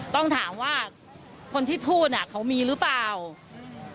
ต้องถามว่าคนที่พูดอ่ะเขามีหรือเปล่าอืม